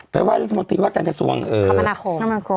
ไปไหว้รัฐมนตรีวะการกระทรวงคมธนาคม